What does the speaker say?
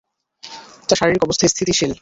তাঁর শারীরিক অবস্থা স্থিতিশীল।